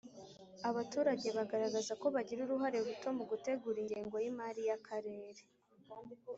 Abaturage bagaragaza ko bagira uruhare ruto mu gutegura ingengo y imari y Akarere